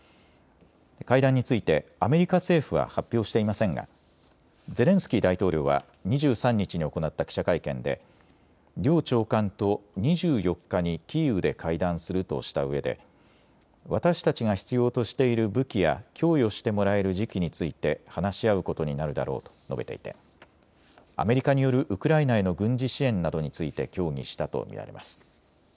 会談についてアメリカ政府は発表していませんがゼレンスキー大統領は２３日に行った記者会見で両長官と２４日にキーウで会談するとしたうえで私たちが必要としている武器や供与してもらえる時期について話し合うことになるだろうと述べていてアメリカによるウクライナへの軍事支援などについて協議したと見られます。